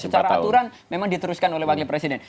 secara aturan memang diteruskan oleh wakil presiden